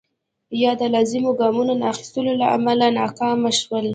یا د لازمو ګامونو نه اخیستو له امله ناکام شول.